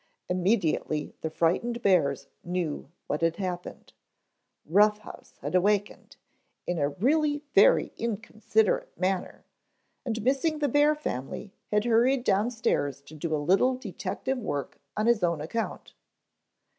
Immediately the frightened bears knew what had happened. Rough House had awakened, in a really very inconsiderate manner, and missing the bear family had hurried downstairs to do a little detective work on his own account.